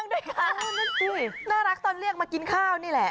น่ารักตอนเรียกมากินข้าวนี่แหละ